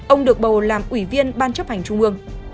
ông được bầu làm ủy viên ban chấp hành trung ương